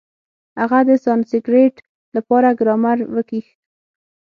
هغه د سانسکرېټ له پاره ګرامر وکېښ.